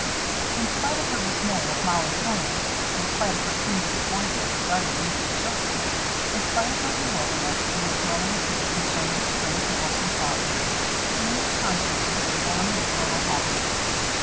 In spite of her dismay at Mollie's illness, in spite of her keen disappointment regarding the missing children, in spite of her bewilderment and her growing fear concerning her strangely absent father, Jeanne was conscious of a warm glow of happiness.